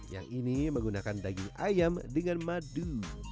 yang ini menggunakan daging ayam dengan madu